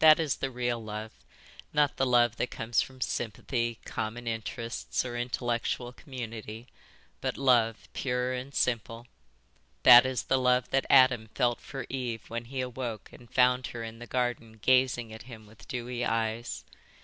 That is the real love, not the love that comes from sympathy, common interests, or intellectual community, but love pure and simple. That is the love that Adam felt for Eve when he awoke and found her in the garden gazing at him with dewy eyes.